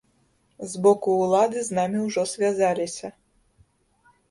З боку ўлады з намі ўжо звязаліся.